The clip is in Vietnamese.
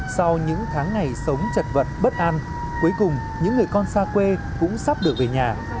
sau những tháng ngày sống chật vật bất an cuối cùng những người con xa quê cũng sắp được về nhà